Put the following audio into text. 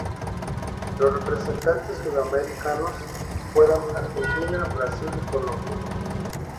Los representantes sudamericanos fueron Argentina, Brasil y Colombia.